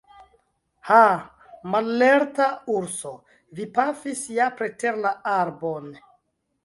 Ha, mallerta urso, vi pafis ja preter la arbon!